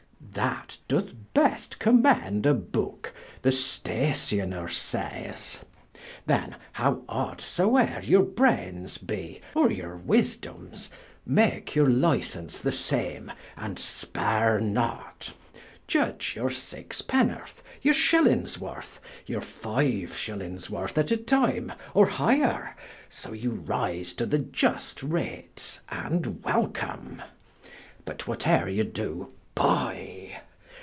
That doth best commend a Booke, the Stationer saies. Then, how odde soeuer your braines be, or your wisedomes, make your licence the same, and spare not. Iudge your sixe pen'orth, your shillings worth, your fiue shillings worth at a time, or higher, so you rise to the iust rates, and welcome. But, what euer you do, Buy.